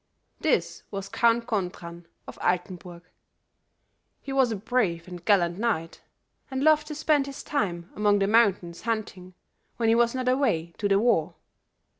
"This was Count Gontran, of Altenbourg. He was a brave and gallant knight and loved to spend his time among the mountains hunting, when he was not away to the war.